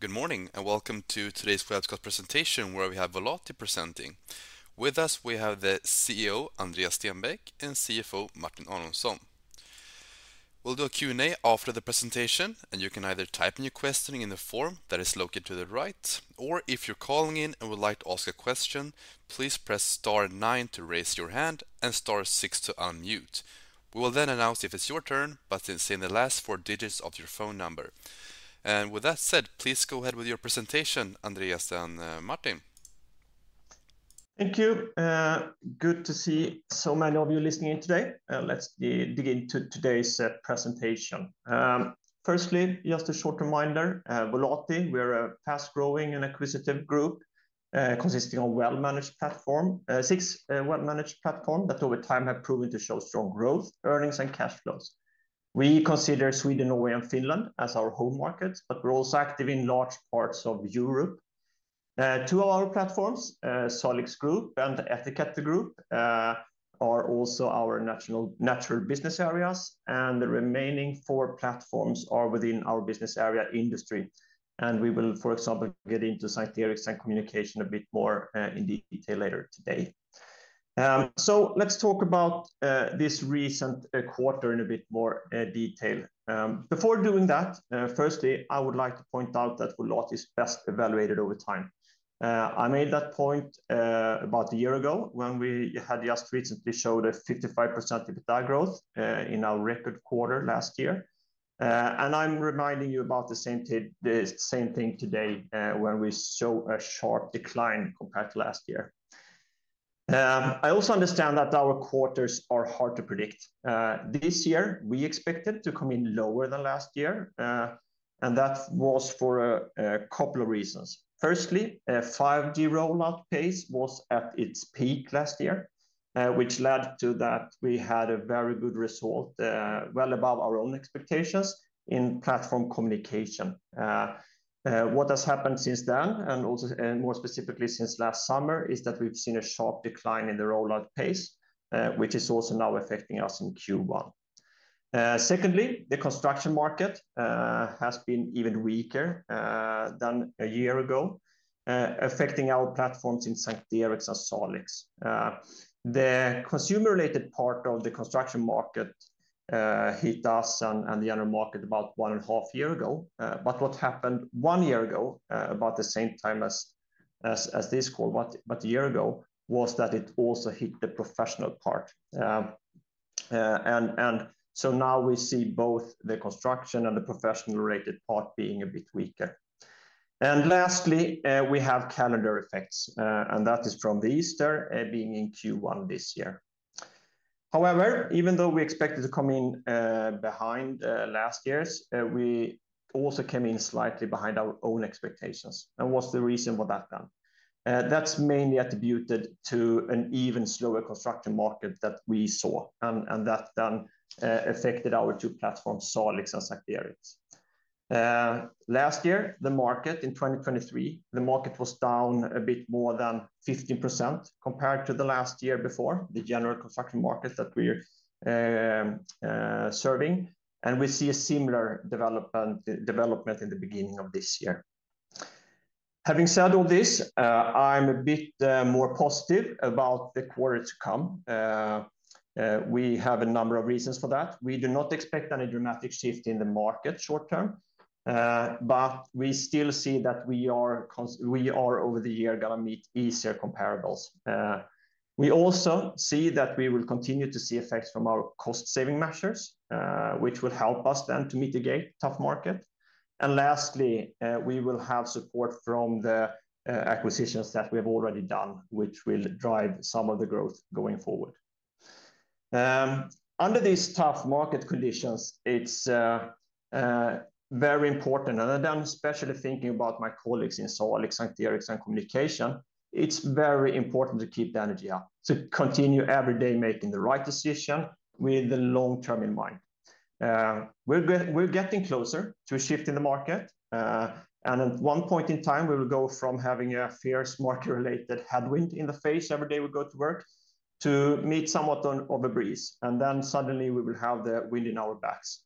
Good morning, and welcome to today's webcast presentation, where we have Volati presenting. With us, we have the CEO, Andreas Stenbäck, and CFO, Martin Aronsson. We'll do a Q&A after the presentation, and you can either type in your questioning in the form that is located to the right, or if you're calling in and would like to ask a question, please press star nine to raise your hand and star six to unmute. We will then announce if it's your turn, by then saying the last four digits of your phone number. And with that said, please go ahead with your presentation, Andreas and Martin. Thank you. Good to see so many of you listening in today. Let's dig into today's presentation. Firstly, just a short reminder, Volati, we are a fast-growing and acquisitive group, consisting of six well-managed platforms that over time have proven to show strong growth, earnings, and cash flows. We consider Sweden, Norway, and Finland as our home markets, but we're also active in large parts of Europe. Two of our platforms, Salix Group and Ettiketto Group, are also our national natural business areas, and the remaining four platforms are within our business area Industry. We will, for example, get into S:t Eriks and Communication a bit more in detail later today. Let's talk about this recent quarter in a bit more detail. Before doing that, firstly, I would like to point out that Volati is best evaluated over time. I made that point about a year ago when we had just recently showed a 55% EBITDA growth in our record quarter last year. And I'm reminding you about the same thing, the same thing today when we show a sharp decline compared to last year. I also understand that our quarters are hard to predict. This year, we expected to come in lower than last year, and that was for a couple of reasons. Firstly, a 5G rollout pace was at its peak last year, which led to that we had a very good result, well above our own expectations in platform communication. What has happened since then, and also, more specifically since last summer, is that we've seen a sharp decline in the rollout pace, which is also now affecting us in Q1. Secondly, the construction market has been even weaker than a year ago, affecting our platforms in S:t Eriks and Salix. The consumer-related part of the construction market hit us and the other market about 1.5 years ago. But what happened one year ago, about the same time as this quarter, but a year ago, was that it also hit the professional part. And so now we see both the construction and the professional-related part being a bit weaker. And lastly, we have calendar effects, and that is from Easter being in Q1 this year. However, even though we expected to come in behind last year's, we also came in slightly behind our own expectations. And what's the reason for that then? That's mainly attributed to an even slower construction market that we saw, and that then affected our two platforms, Salix and S:t Eriks. Last year, the market in 2023, the market was down a bit more than 15% compared to the last year before, the general construction market that we're serving, and we see a similar development in the beginning of this year. Having said all this, I'm a bit more positive about the quarter to come. We have a number of reasons for that. We do not expect any dramatic shift in the market short term, but we still see that we are over the year gonna meet easier comparables. We also see that we will continue to see effects from our cost-saving measures, which will help us then to mitigate tough market. And lastly, we will have support from the acquisitions that we have already done, which will drive some of the growth going forward. Under these tough market conditions, it's very important, and I'm especially thinking about my colleagues in Solix, S:t Eriks, and Communication, it's very important to keep the energy up, to continue every day making the right decision with the long term in mind. We're getting closer to a shift in the market, and at one point in time, we will go from having a fierce market-related headwind in the face every day we go to work, to meet somewhat of a breeze, and then suddenly we will have the wind in our backs.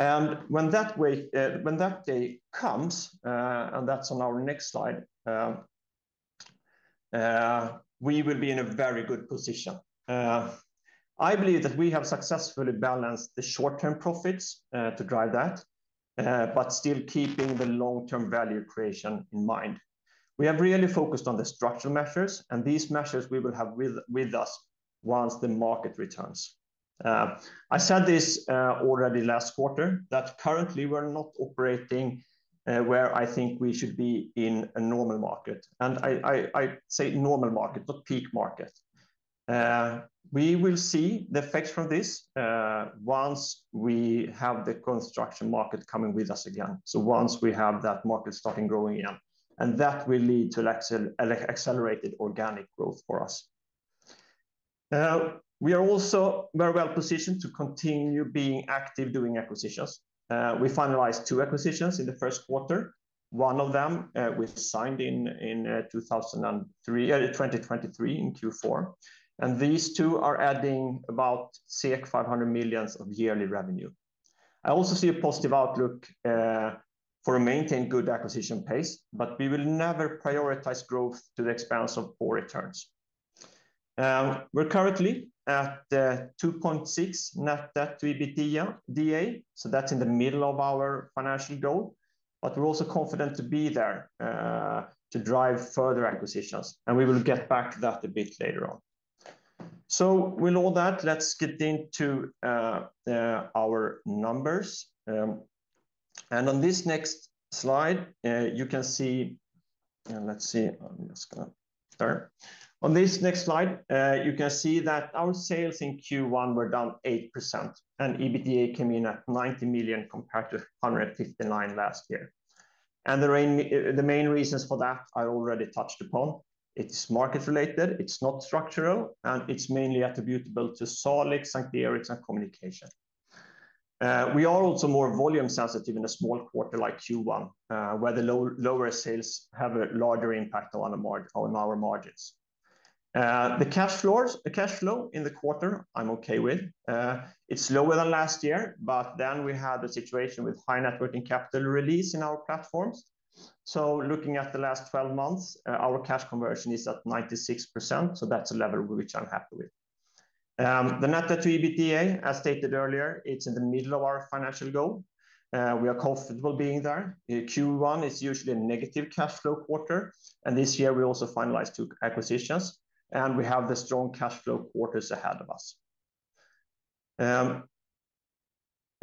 And when that day comes, and that's on our next slide, we will be in a very good position. I believe that we have successfully balanced the short-term profits to drive that, but still keeping the long-term value creation in mind. We have really focused on the structural measures, and these measures we will have with us once the market returns. I said this already last quarter, that currently we're not operating where I think we should be in a normal market. I say normal market, not peak market. We will see the effects from this, once we have the construction market coming with us again. So once we have that market starting growing again, and that will lead to accelerated organic growth for us. We are also very well positioned to continue being active doing acquisitions. We finalized two acquisitions in the Q1. One of them, we signed in 2023 in Q4. And these two are adding about 65 million of yearly revenue. I also see a positive outlook, for maintaining a good acquisition pace, but we will never prioritize growth at the expense of poor returns. We're currently at 2.6 net debt to EBITDA, so that's in the middle of our financial goal, but we're also confident to be there to drive further acquisitions, and we will get back to that a bit later on. With all that, let's get into our numbers. On this next slide, you can see. I'm just gonna start. On this next slide, you can see that our sales in Q1 were down 8%, and EBITDA came in at 90 million, compared to 159 million last year. And the main reasons for that I already touched upon. It's market related, it's not structural, and it's mainly attributable to Salix, S:t Eriks, and Communication. We are also more volume sensitive in a small quarter like Q1, where the lower sales have a larger impact on our margins. The cash flows, the cash flow in the quarter, I'm okay with. It's lower than last year, but then we had a situation with high net working capital release in our platforms. So looking at the last twelve months, our cash conversion is at 96%, so that's a level which I'm happy with. The net debt to EBITDA, as stated earlier, it's in the middle of our financial goal. We are comfortable being there. Q1 is usually a negative cash flow quarter, and this year we also finalized two acquisitions, and we have the strong cash flow quarters ahead of us.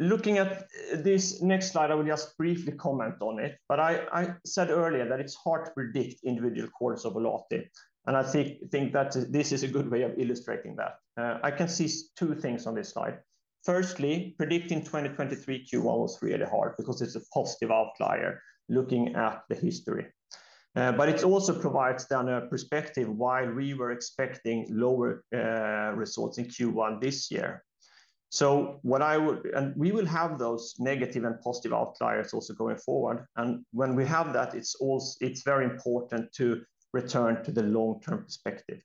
Looking at this next slide, I will just briefly comment on it, but I said earlier that it's hard to predict individual quarters of Volati, and I think that this is a good way of illustrating that. I can see two things on this slide. Firstly, predicting 2023 Q1 was really hard because it's a positive outlier looking at the history. But it also provides then a perspective why we were expecting lower results in Q1 this year. So what I would... And we will have those negative and positive outliers also going forward, and when we have that, it's also very important to return to the long-term perspective.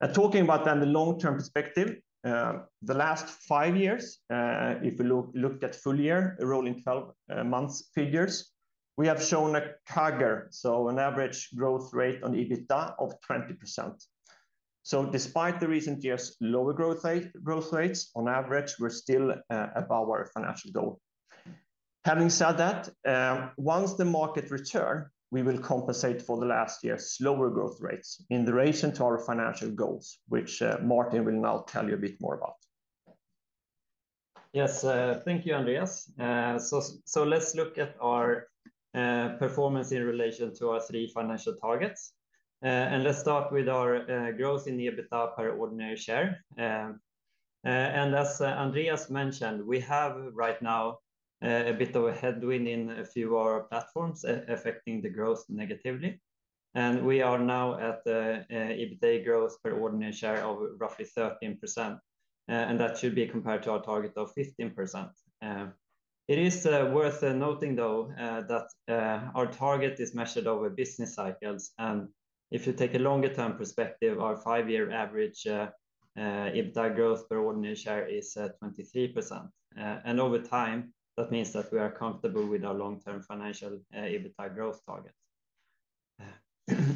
Now, talking about then the long-term perspective, the last 5 years, if we looked at full year, rolling 12 months figures, we have shown a CAGR, so an average growth rate on the EBITDA of 20%. So despite the recent years' lower growth rate, growth rates, on average, we're still above our financial goal. Having said that, once the market return, we will compensate for the last year's slower growth rates in relation to our financial goals, which Martin will now tell you a bit more about. Yes, thank you, Andreas. So let's look at our performance in relation to our three financial targets. And let's start with our growth in the EBITDA per ordinary share. And as Andreas mentioned, we have right now a bit of a headwind in a few of our platforms affecting the growth negatively. And we are now at the EBITDA growth per ordinary share of roughly 13%, and that should be compared to our target of 15%. It is worth noting, though, that our target is measured over business cycles, and if you take a longer-term perspective, our five-year average EBITDA growth per ordinary share is at 23%. And over time, that means that we are comfortable with our long-term financial EBITDA growth target.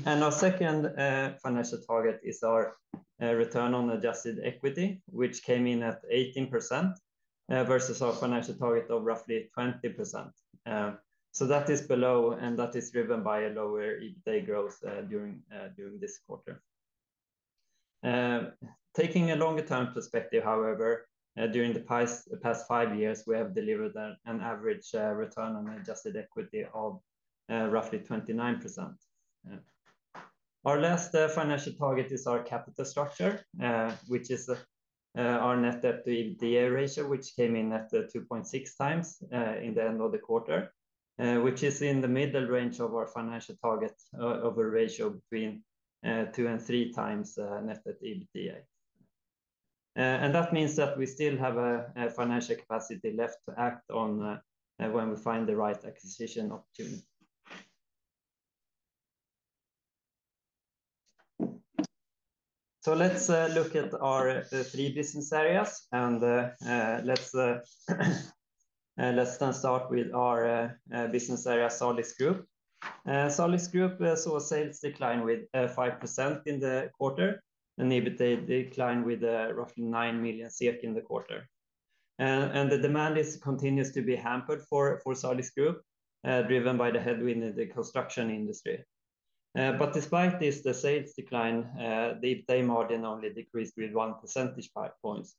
Our second financial target is our return on adjusted equity, which came in at 18%, versus our financial target of roughly 20%. So that is below, and that is driven by a lower EBITDA growth during this quarter. Taking a longer-term perspective, however, during the past five years, we have delivered an average return on adjusted equity of roughly 29%. Our last financial target is our capital structure, which is our net debt to EBITDA ratio, which came in at 2.6 times in the end of the quarter, which is in the middle range of our financial target of a ratio between 2 and 3 times net debt to EBITDA. And that means that we still have a financial capacity left to act on when we find the right acquisition opportunity. So let's look at our three business areas, and let's then start with our business area, Salix Group. Salix Group saw a sales decline with 5% in the quarter, and EBITDA declined with roughly 9 million SEK in the quarter. And the demand continues to be hampered for Salix Group, driven by the headwind in the construction industry. But despite this, the sales decline, the EBITDA margin only decreased with 1.5 percentage points.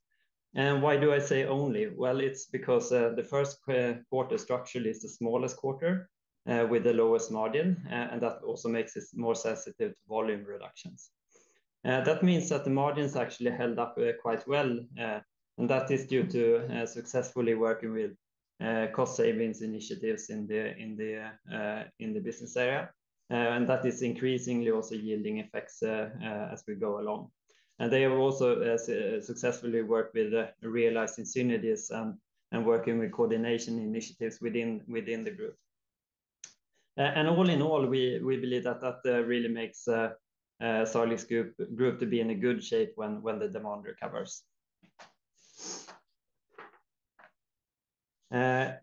And why do I say only? Well, it's because the Q1 structurally is the smallest quarter with the lowest margin, and that also makes it more sensitive to volume reductions. That means that the margins actually held up quite well, and that is due to successfully working with cost savings initiatives in the business area, and that is increasingly also yielding effects as we go along. And they have also successfully worked with realized synergies and working with coordination initiatives within the group. And all in all, we believe that that really makes Salix Group to be in a good shape when the demand recovers.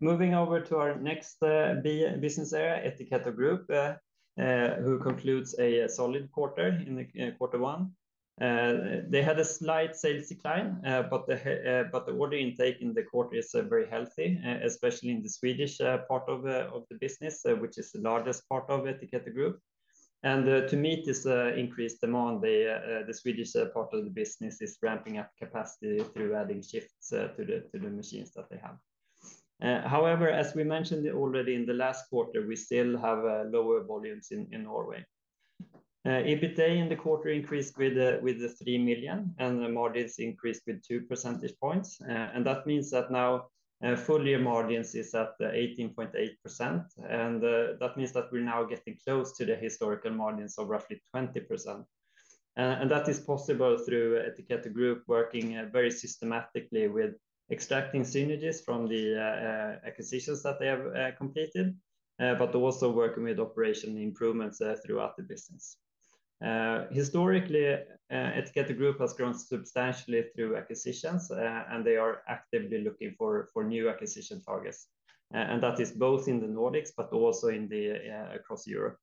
Moving over to our next business area, Ettiketto Group, who concludes a solid quarter in quarter one. They had a slight sales decline, but the order intake in the quarter is very healthy, especially in the Swedish part of the business, which is the largest part of Ettiketto Group. And, to meet this increased demand, the Swedish part of the business is ramping up capacity through adding shifts to the machines that they have. However, as we mentioned already in the last quarter, we still have lower volumes in Norway. EBITDA in the quarter increased with 3 million, and the margins increased with two percentage points. And that means that now full-year margins is at 18.8%, and that means that we're now getting close to the historical margins of roughly 20%. And that is possible through Ettiketto Group working very systematically with extracting synergies from the acquisitions that they have completed, but also working with operation improvements throughout the business. Historically, Ettiketto Group has grown substantially through acquisitions, and they are actively looking for new acquisition targets. And that is both in the Nordics, but also across Europe.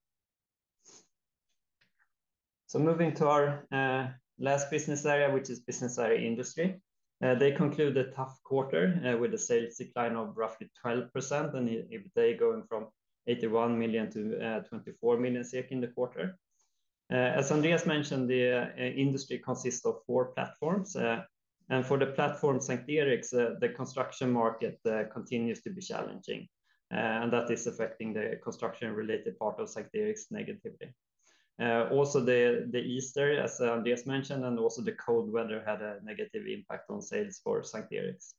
So moving to our last business area, which is business area Industry. They conclude a tough quarter with a sales decline of roughly 12%, and EBITDA going from 81 million SEK to 24 million SEK in the quarter. As Andreas mentioned, the Industry consists of four platforms, and for the platform S:t Eriks, the construction market continues to be challenging, and that is affecting the construction-related part of S:t Eriks negatively. Also the Easter, as Andreas mentioned, and also the cold weather had a negative impact on sales for S:t Eriks.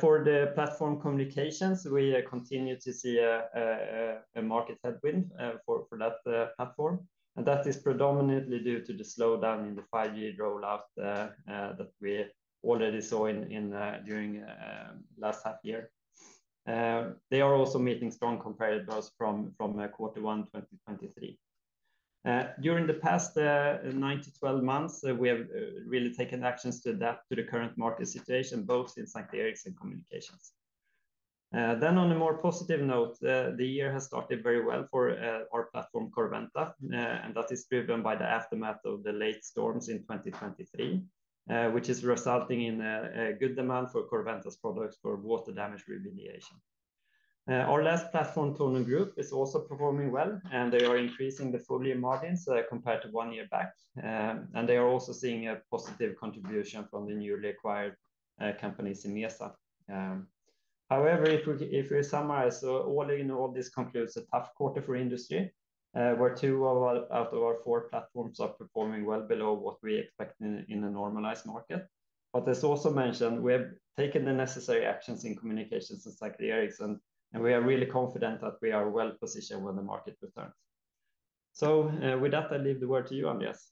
For the platform Communications, we continue to see a market headwind for that platform, and that is predominantly due to the slowdown in the 5G rollout that we already saw during last half year. They are also meeting strong comparables from quarter one 2023. During the past 9-12 months, we have really taken actions to adapt to the current market situation, both in S:t Eriks and Communications. Then on a more positive note, the year has started very well for our platform Corroventa, and that is driven by the aftermath of the late storms in 2023, which is resulting in a good demand for Corroventa's products for water damage remediation. Our last platform, Tornum Group, is also performing well, and they are increasing the full-year margins compared to one year back. And they are also seeing a positive contribution from the newly acquired companies in JPT. However, if we summarize, so all in all, this concludes a tough quarter for Industry, where two of our four platforms are performing well below what we expect in a normalized market. But as also mentioned, we have taken the necessary actions in Communications and S:t Eriks, and we are really confident that we are well-positioned when the market returns. So, with that, I leave the word to you, Andreas.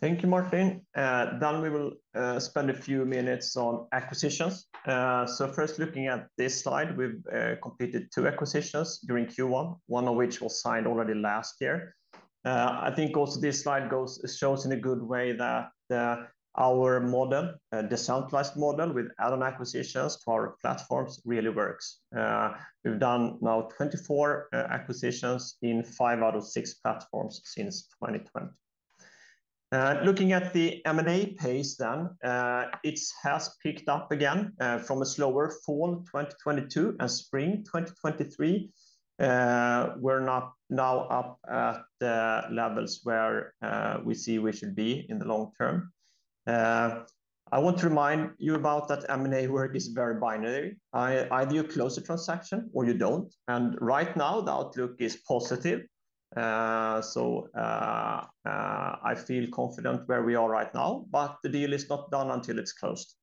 Thank you, Martin. Then we will spend a few minutes on acquisitions. So first, looking at this slide, we've completed two acquisitions during Q1, one of which was signed already last year. I think also this slide shows in a good way that our model, the platform plus model with add-on acquisitions for our platforms really works. We've now done 24 acquisitions in five out of six platforms since 2020. Looking at the M&A pace then, it has picked up again from a slower fall 2022 and spring 2023. We're now up at the levels where we see we should be in the long term. I want to remind you about that M&A work is very binary. Either you close a transaction or you don't, and right now, the outlook is positive. So, I feel confident where we are right now, but the deal is not done until it's closed.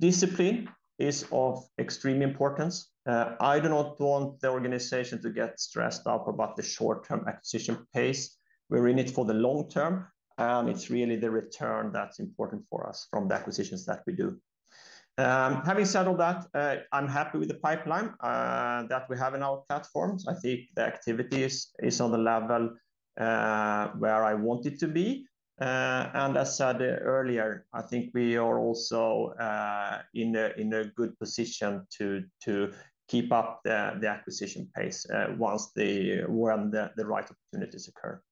Discipline is of extreme importance. I do not want the organization to get stressed out about the short-term acquisition pace. We're in it for the long term, and it's really the return that's important for us from the acquisitions that we do. Having said all that, I'm happy with the pipeline that we have in our platforms. I think the activity is on the level where I want it to be. And as said earlier, I think we are also in a good position to keep up the acquisition pace once when the right opportunities occur.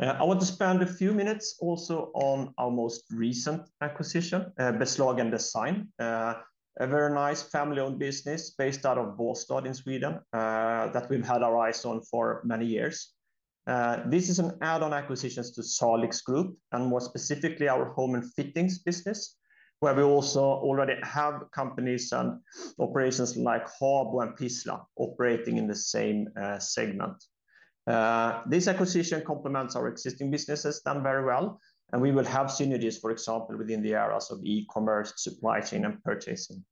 I want to spend a few minutes also on our most recent acquisition, Beslag Design. A very nice family-owned business based out of Båstad in Sweden, that we've had our eyes on for many years. This is an add-on acquisition to Salix Group, and more specifically, our home and fittings business, where we also already have companies and operations like Habo and Pisla operating in the same segment. This acquisition complements our existing businesses done very well, and we will have synergies, for example, within the areas of e-commerce, supply chain, and purchasing.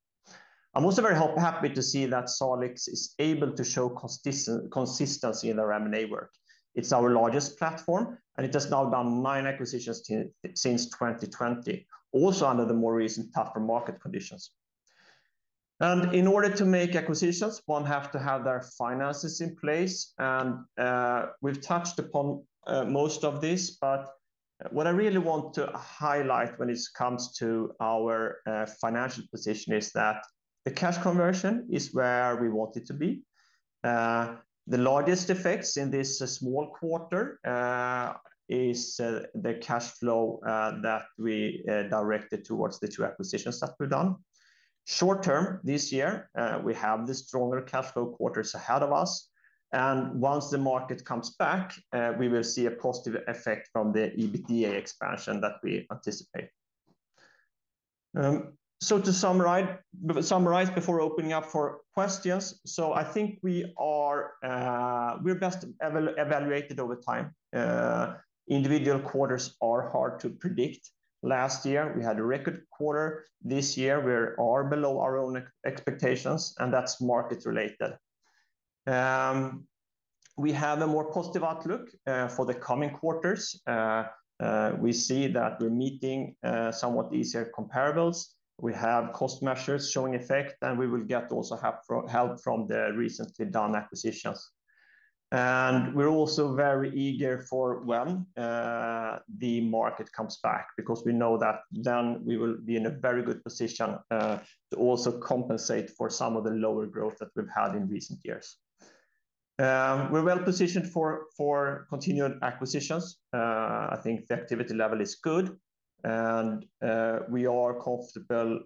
I'm also very happy to see that Salix is able to show consistency in their M&A work. It's our largest platform, and it has now done nine acquisitions since 2020, also under the more recent tougher market conditions. In order to make acquisitions, one have to have their finances in place, and we've touched upon most of this. But what I really want to highlight when it comes to our financial position is that the cash conversion is where we want it to be. The largest effects in this small quarter is the cash flow that we directed towards the two acquisitions that we've done. Short term, this year, we have the stronger cash flow quarters ahead of us, and once the market comes back, we will see a positive effect from the EBITDA expansion that we anticipate. So to summarize before opening up for questions, so I think we're best evaluated over time. Individual quarters are hard to predict. Last year, we had a record quarter. This year, we're below our own expectations, and that's market related. We have a more positive outlook for the coming quarters. We see that we're meeting somewhat easier comparables. We have cost measures showing effect, and we will get also help from the recently done acquisitions. And we're also very eager for when the market comes back, because we know that then we will be in a very good position to also compensate for some of the lower growth that we've had in recent years. We're well positioned for continuing acquisitions. I think the activity level is good, and we are comfortable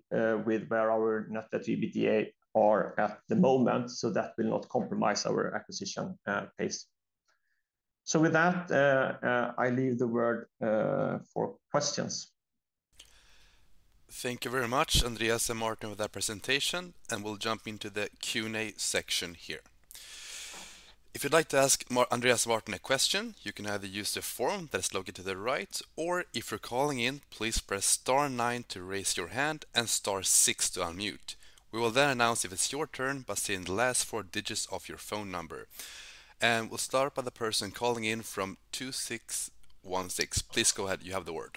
with where our net EBITDA are at the moment, so that will not compromise our acquisition pace. So with that, I leave the word for questions. Thank you very much, Andreas and Martin, for that presentation, and we'll jump into the Q&A section here. If you'd like to ask Andreas and Martin a question, you can either use the form that's located to the right, or if you're calling in, please press star nine to raise your hand and star six to unmute. We will then announce if it's your turn by saying the last four digits of your phone number. And we'll start by the person calling in from 2616. Please go ahead. You have the word.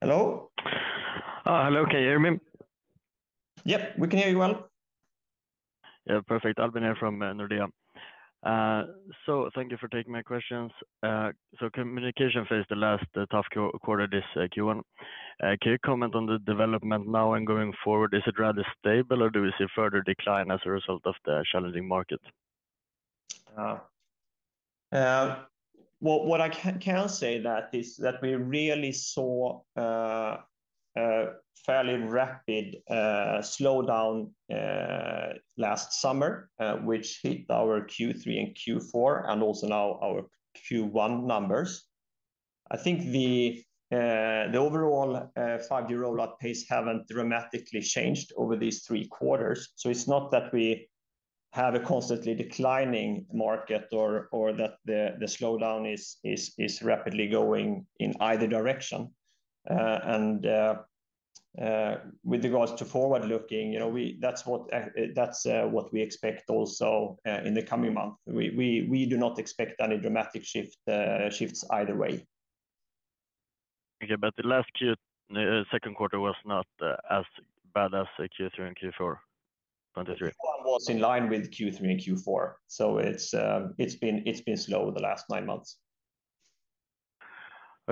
Hello? Hello, can you hear me? Yep, we can hear you well. Yeah, perfect. Albin here from Nordea. Thank you for taking my questions. Communication faced the last tough quarter, this Q1. Can you comment on the development now and going forward? Is it rather stable, or do we see further decline as a result of the challenging market? Well, what I can say that is that we really saw a fairly rapid slowdown last summer which hit our Q3 and Q4, and also now our Q1 numbers. I think the overall five-year rollout pace haven't dramatically changed over these three quarters. So it's not that we have a constantly declining market or that the slowdown is rapidly going in either direction. And with regards to forward looking, you know, we, that's what that's what we expect also in the coming month. We do not expect any dramatic shift shifts either way. Okay, but the last Q Q2 was not as bad as Q3 and Q4, 2023? Q1 was in line with Q3 and Q4, so it's, it's been, it's been slow the last nine months.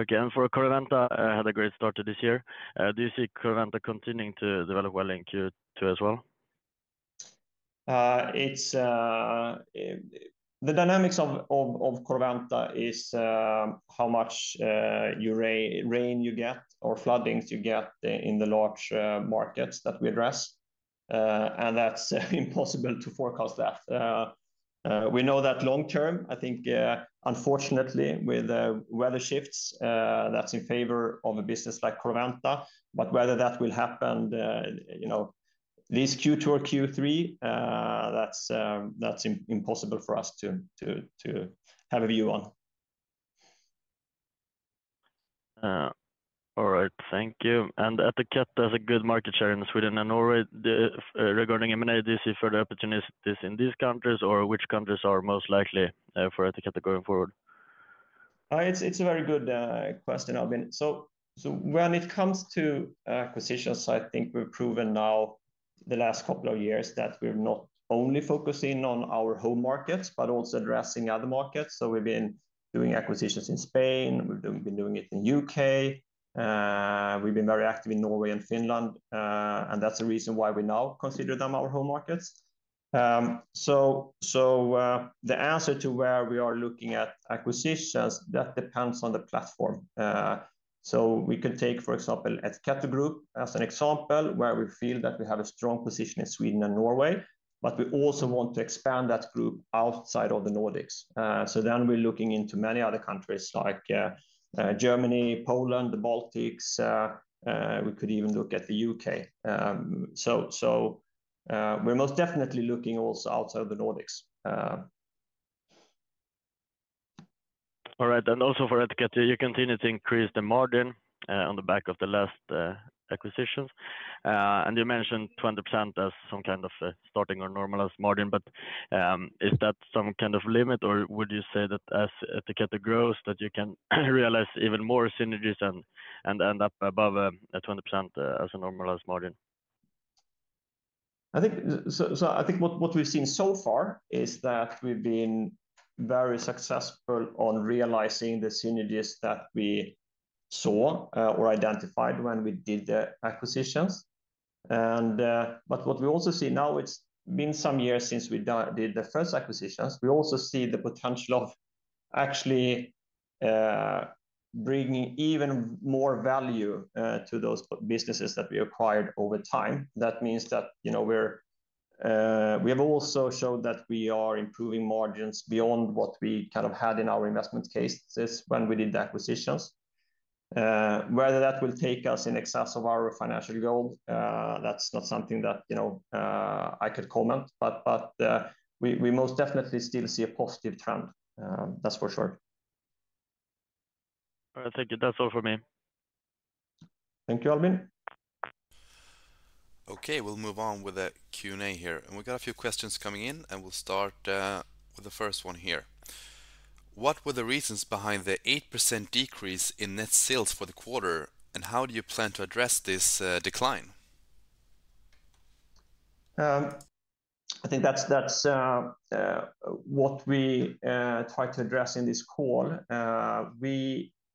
Okay, and for Corroventa, had a great start to this year. Do you see Corroventa continuing to develop well in Q2 as well? It's... The dynamics of Corroventa is how much rain you get or floodings you get in the large markets that we address. And that's impossible to forecast that. We know that long term, I think, unfortunately, with weather shifts, that's in favor of a business like Corroventa, but whether that will happen, you know, this Q2 or Q3, that's impossible for us to have a view on. All right. Thank you. And Ettiketto has a good market share in Sweden and Norway. The, regarding M&A, do you see further opportunities in these countries, or which countries are most likely, for Ettiketto going forward? It's a very good question, Albin. So when it comes to acquisitions, I think we've proven now the last couple of years that we're not only focusing on our home markets, but also addressing other markets. So we've been doing acquisitions in Spain, we've been doing it in U.K. We've been very active in Norway and Finland, and that's the reason why we now consider them our home markets. So, the answer to where we are looking at acquisitions, that depends on the platform. So we could take, for example, Ettiketto Group as an example, where we feel that we have a strong position in Sweden and Norway, but we also want to expand that group outside of the Nordics. So then we're looking into many other countries like, Germany, Poland, the Baltics. We could even look at the UK. So, we're most definitely looking also outside of the Nordics.... All right, and also for Ettiketto, you continue to increase the margin on the back of the last acquisitions. And you mentioned 20% as some kind of starting or normalized margin, but is that some kind of limit, or would you say that as Ettiketto grows, that you can realize even more synergies and, and end up above a 20% as a normalized margin? I think what we've seen so far is that we've been very successful on realizing the synergies that we saw or identified when we did the acquisitions. But what we also see now, it's been some years since we did the first acquisitions. We also see the potential of actually bringing even more value to those businesses that we acquired over time. That means that, you know, we have also showed that we are improving margins beyond what we kind of had in our investment cases when we did the acquisitions. Whether that will take us in excess of our financial goals, that's not something that, you know, I could comment. But we most definitely still see a positive trend, that's for sure. All right. Thank you. That's all for me. Thank you, Albin. Okay, we'll move on with the Q&A here, and we've got a few questions coming in, and we'll start with the first one here. What were the reasons behind the 8% decrease in net sales for the quarter, and how do you plan to address this decline? I think that's what we try to address in this call.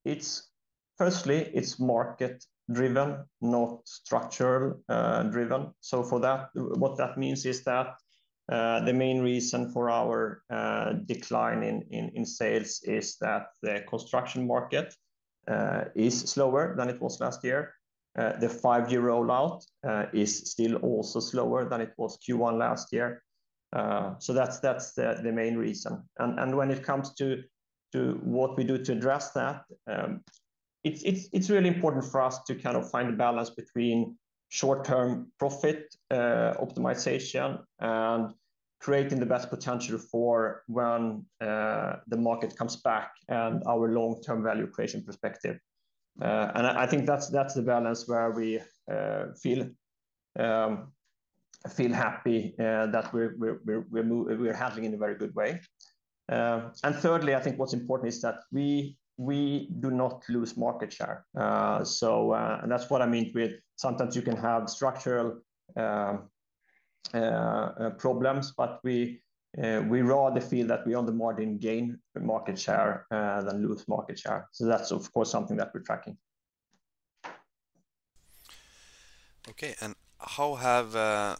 It's firstly market driven, not structural driven. So for that, what that means is that the main reason for our decline in sales is that the construction market is slower than it was last year. The five-year rollout is still also slower than it was Q1 last year. So that's the main reason. When it comes to what we do to address that, it's really important for us to kind of find a balance between short-term profit optimization and creating the best potential for when the market comes back and our long-term value creation perspective. And I think that's the balance where we feel happy that we're handling in a very good way. And thirdly, I think what's important is that we do not lose market share. And that's what I mean with sometimes you can have structural problems, but we rather feel that we are on the margin gain market share than lose market share. So that's of course something that we're tracking. Okay. And how have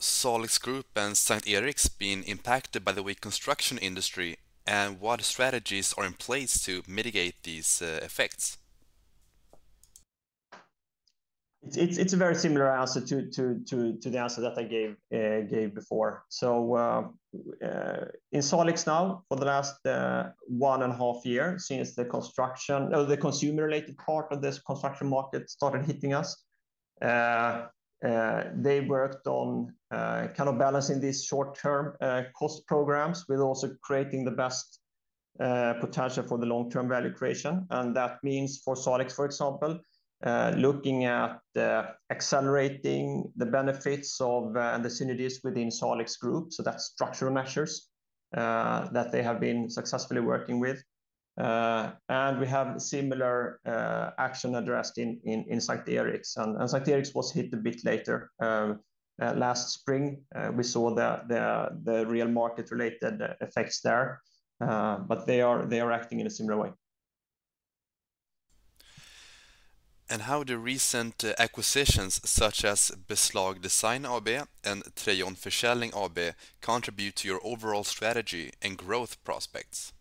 Salix Group and S:t Eriks been impacted by the weak construction industry, and what strategies are in place to mitigate these effects? It's a very similar answer to the answer that I gave before. So, in Salix now, for the last one and a half year, since the construction... The consumer-related part of this construction market started hitting us, they worked on kind of balancing these short-term cost programs with also creating the best potential for the long-term value creation. And that means for Salix, for example, looking at accelerating the benefits of and the synergies within Salix Group, so that's structural measures that they have been successfully working with. And we have similar action addressed in S:t Eriks, and S:t Eriks was hit a bit later. Last spring, we saw the real market-related effects there, but they are acting in a similar way. How do recent acquisitions, such as Beslag Design AB and Trejon Försäljning AB, contribute to your overall strategy and growth prospects?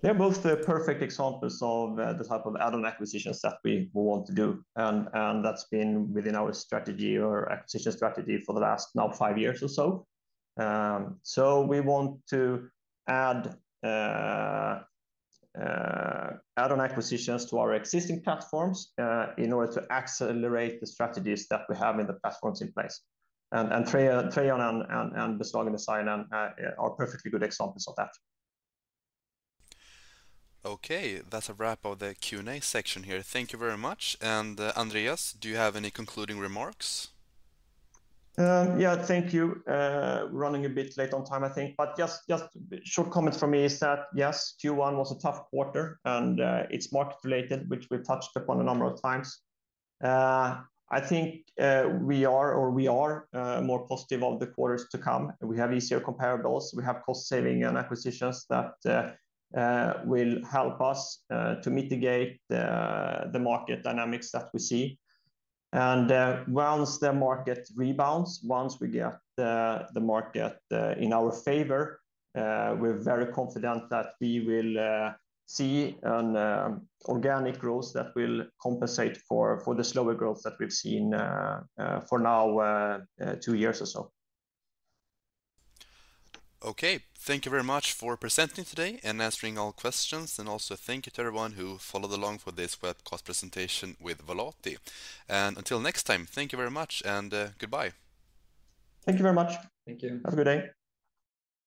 They're both the perfect examples of the type of add-on acquisitions that we want to do. That's been within our strategy or acquisition strategy for the last now five years or so. So we want to add add-on acquisitions to our existing platforms in order to accelerate the strategies that we have in the platforms in place. Trejon and Beslag Design are perfectly good examples of that. Okay, that's a wrap of the Q&A section here. Thank you very much. Andreas, do you have any concluding remarks? Yeah, thank you. Running a bit late on time, I think, but just a short comment from me is that, yes, Q1 was a tough quarter, and it's market related, which we touched upon a number of times. I think we are more positive of the quarters to come, and we have easier comparables. We have cost saving and acquisitions that will help us to mitigate the market dynamics that we see. And once the market rebounds, once we get the market in our favor, we're very confident that we will see an organic growth that will compensate for the slower growth that we've seen for now two years or so. Okay. Thank you very much for presenting today and answering all questions. And also thank you to everyone who followed along for this webcast presentation with Volati. And until next time, thank you very much, and goodbye. Thank you very much. Thank you. Have a good day.